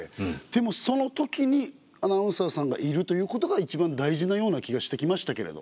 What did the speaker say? でもそのときにアナウンサーさんがいるということが一番大事なような気がしてきましたけれど。